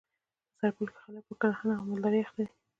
په سرپل کي خلک په کرهڼه او مالدري اخته دي.